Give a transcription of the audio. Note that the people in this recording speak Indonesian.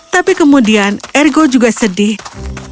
tapi kemudian ergo juga seringkali berkata